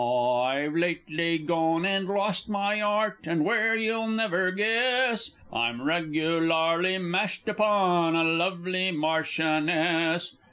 _ I've lately gone and lost my 'art and where you'll never guess I'm regularly mashed upon a lovely Marchioness!